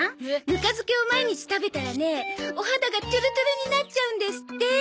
ぬか漬けを毎日食べたらねお肌がトゥルトゥルになっちゃうんですって。